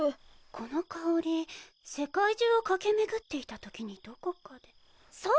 この香り世界中を駆け巡っていたときにどこかでそう！